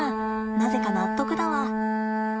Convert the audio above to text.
なぜか納得だわ。